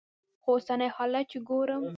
خو اوسني حالات چې ګورم.